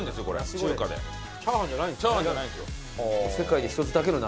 チャーハンじゃないんですね。